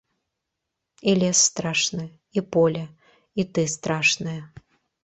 І лес страшны, і поле, і ты страшная.